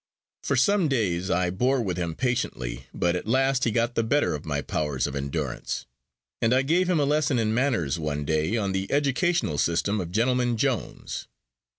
For some days I bore with him patiently; but at last he got the better of my powers of endurance; and I gave him a lesson in manners, one day, on the educational system of Gentleman Jones.